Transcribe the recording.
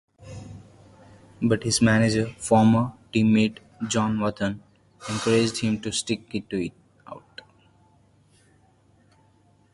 But his manager, former teammate John Wathan, encouraged him to stick it out.